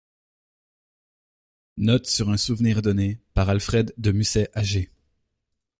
Note sur un souvenir donné par Alfred de Musset à G.